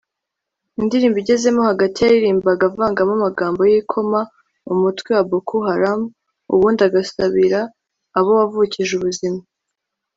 indirimbo igezemo hagati yaririmbaga avangamo amagambo yikoma umutwe wa Boko Haram ubundi agasabira abo wavukije ubuzima